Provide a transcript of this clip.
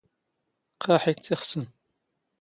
ⵇⵇⴰⵃ ⵉ ⵜⵜ ⵉⵅⵙⵏ.